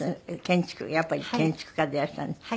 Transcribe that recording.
建築やっぱり建築家でいらっしゃる。